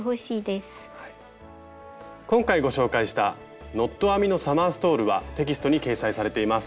今回ご紹介した「ノット編みのサマーストール」はテキストに掲載されています。